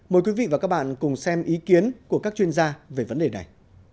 mời quý vị và các bạn cùng xem ý kiến của các chuyên gia về vấn đề này